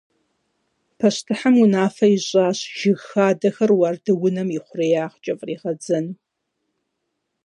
Пащтыхьым унафэ ищӀащ жыг хадэхэр уардэунэм и хъуреягъкӀэ фӀригъэдзэну.